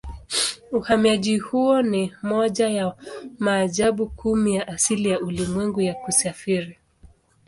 Uhamiaji huo ni moja ya maajabu kumi ya asili ya ulimwengu ya kusafiri.